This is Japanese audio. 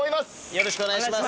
よろしくお願いします。